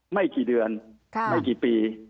ไม่กี่เดือนไม่กี่ปี